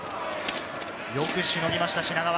よくしのぎました、品川。